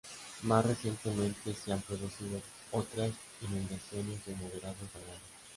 Más recientemente se han producido otras inundaciones de moderados a graves.